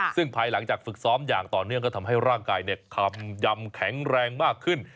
ซึ่งภายหลังจากฝึกซ้อมอย่างต่อเนื่องก็ทำให้ร่างกายคำยำแข็งแรงมากขึ้น